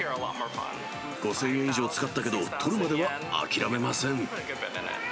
５０００円以上使ったけど、取るまでは諦めません。